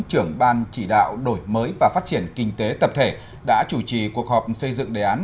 trưởng ban chỉ đạo đổi mới và phát triển kinh tế tập thể đã chủ trì cuộc họp xây dựng đề án